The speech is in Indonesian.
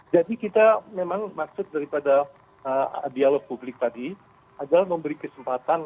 jadi kita memang maksud dari pada dialog publik tadi adalah memberi kesempatan